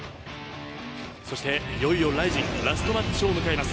そしていよいよＲＩＺＩＮラストマッチを迎えます。